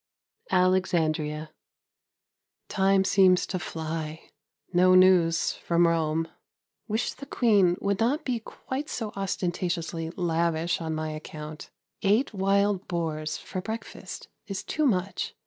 Alexandria. Time seems to fly. No news from Rome. Wish the Queen would not be quite so ostentatiously lavish on my account. Eight wild boars for breakfast is too much.